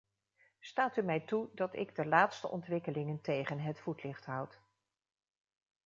Staat u mij toe dat ik de laatste ontwikkelingen tegen het voetlicht houd.